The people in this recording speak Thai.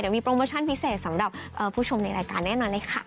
มีโปรโมชั่นพิเศษสำหรับผู้ชมในรายการแน่นอนเลยค่ะ